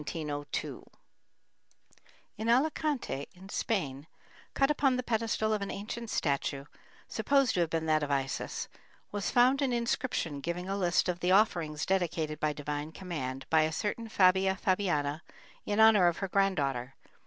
At Alicante, in Spain, cut upon the pedestal of an ancient statue, supposed to have been that of Isis, was found an inscription giving a list of the offerings dedicated by divine command, by a certain Fabia Fabiana in honor of her granddaughter.